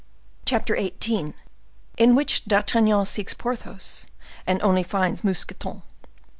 Chapter XVIII. In which D'Artagnan seeks Porthos, and only finds Mousqueton.